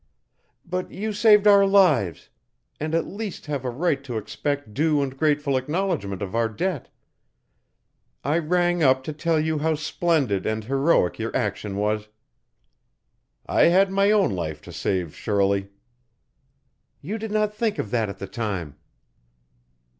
"But you saved our lives, and at least have a right to expect due and grateful acknowledgment of our debt. I rang up to tell you how splendid and heroic your action was " "I had my own life to save, Shirley." "You did not think of that at the time."